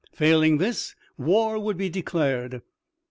Failing this, war would be declared.